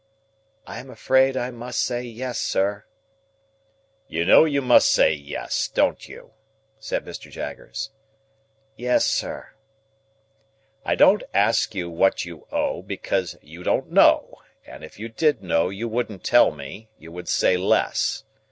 "I am afraid I must say yes, sir." "You know you must say yes; don't you?" said Mr. Jaggers. "Yes, sir." "I don't ask you what you owe, because you don't know; and if you did know, you wouldn't tell me; you would say less.